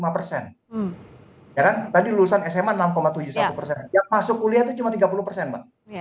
empat puluh lima persen ya kan tadi lulusan sma enam tujuh persen yang masuk kuliah itu cuma tiga puluh persen mbak ini jauh dari apa ya